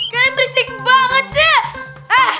kal berisik banget sih